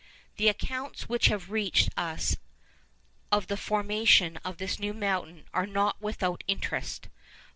The accounts which have reached us of the formation of this new mountain are not without interest.